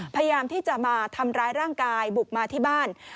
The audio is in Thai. พยายามที่จะมาทำร้ายร่างกายบุกมาที่บ้าน